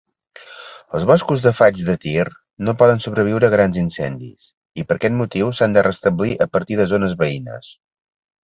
Els boscos de faigs de tir no poden sobreviure grans incendis, i per aquest motiu s'han de restablir a partir de zones veïnes.